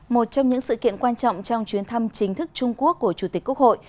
một trong những sự kiện quan trọng trong chuyến thăm chính thức trung quốc của chủ tịch quốc hội